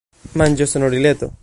Manĝosonorileto.